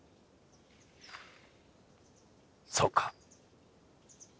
そうか。